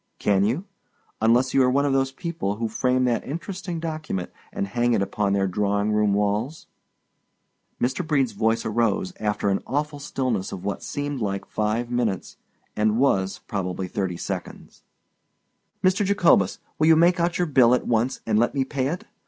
Can you—unless you are one of those people who frame that interesting document and hang it upon their drawing room walls? Mr. Brede's voice arose, after an awful stillness of what seemed like five minutes, and was, probably, thirty seconds: "Mr. Jacobus, will you make out your bill at once, and let me pay it?